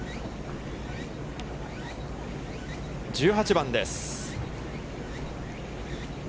１８番です。